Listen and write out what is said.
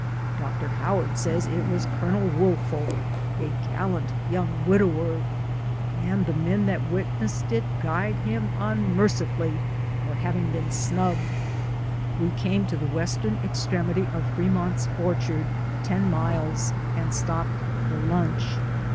Dr. Howard says it was Colonel Wool folk — a gallant young widower — and the men that witnessed it guyed him unmercifully on having been snubbed. We came to the west ern extremity of Fremont's Orchard, ten miles, and stopped for lunch.